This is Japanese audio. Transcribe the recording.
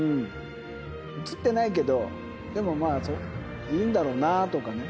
映ってないけど、でもまあ、いるんだろうなとかね。